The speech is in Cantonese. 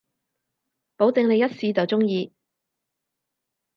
保證你一試就中意